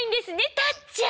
タッちゃん。